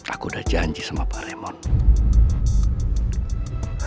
aku udah janji sama pak remon